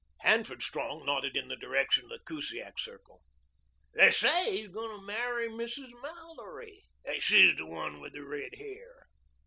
Hanford Strong nodded in the direction of the Kusiak circle. "They say he's going to marry Mrs. Mallory. She's the one with the red hair."